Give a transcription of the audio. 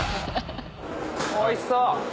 おいしそう！